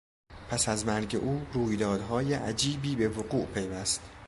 پس از مرگ او رویدادهای عجیبی به وقوع پیوست.